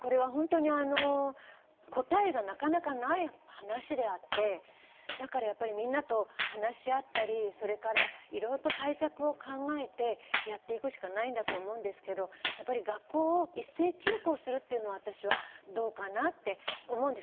答えが、なかなかない話であって、みんなと話し合ったり対策を考えてやっていくしかないんだと思うんですけど、学校一斉休校するっていうのは私はどうかなって思うんです。